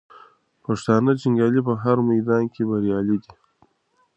پښتانه جنګیالي په هر میدان کې بریالي دي.